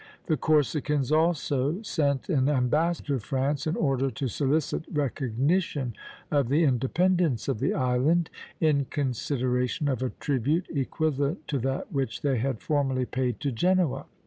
The Corsicans also sent an ambassador to France in order to solicit recognition of the independence of the island, in consideration of a tribute equivalent to that which they had formerly paid to Genoa.